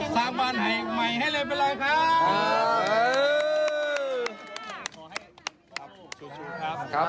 สร้างบ้านใหม่ให้เรียบร้อยครับ